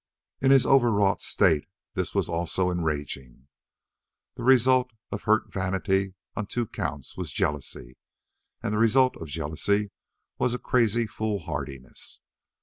In his overwrought state this was also enraging. The result of hurt vanity on two counts was jealousy, and the result of jealousy was a crazy foolhardiness.